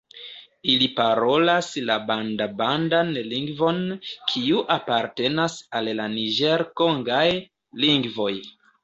Ili parolas la banda-bandan lingvon, kiu apartenas al la niĝer-kongaj lingvoj.